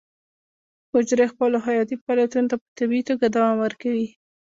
حجرې خپلو حیاتي فعالیتونو ته په طبیعي توګه دوام ورکوي.